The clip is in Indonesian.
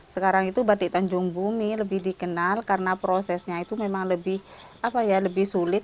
sekarang itu batik tanjung bumi lebih dikenal karena prosesnya itu memang lebih sulit